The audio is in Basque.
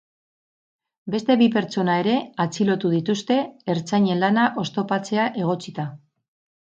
Beste bi pertsona ere atxilotu dituzte, ertzainen lana oztopatzea egotzita.